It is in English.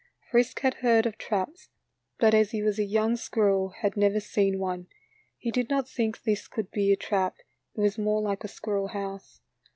Frisk had heard of traps, but as he was a young squirrel had never seen one. He did not think this could be a trap, it was more like a squirrel house.